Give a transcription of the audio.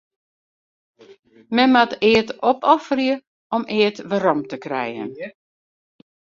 Men moat eat opofferje om eat werom te krijen.